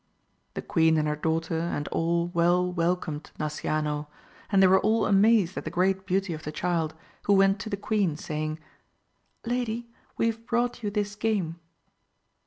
The queen and her daughter and all well welcomed Nas ciano, and they were all amazed at the great beauty of the child, who went to the queen saying. Lady, we have brought you this game.